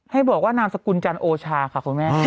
ให้บอกว่านามสกุลจันโอชาค่ะคุณแม่